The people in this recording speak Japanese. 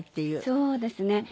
そうですね。